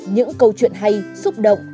những câu chuyện hay xúc động